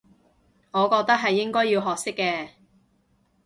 我覺得係應該要學識嘅